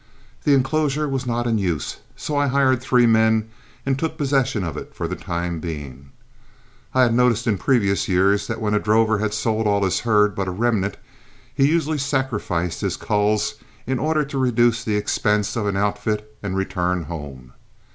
The inclosure was not in use, so I hired three men and took possession of it for the time being. I had noticed in previous years that when a drover had sold all his herd but a remnant, he usually sacrificed his culls in order to reduce the expense of an outfit and return home.